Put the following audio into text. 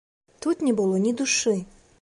Тут не было ні душы.